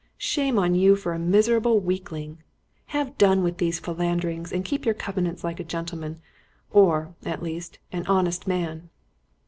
Shame on you for a miserable weakling! Have done with these philanderings and keep your covenants like a gentleman or, at least, an honest man!"